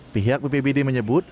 pihak bpbd menyebut